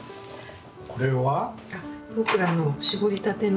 これは。